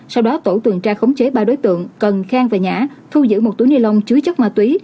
sau đó tổ tuần tra khống chế ba đối tượng cần khang và nhã thu giữ một túi ni lông chứa chất ma túy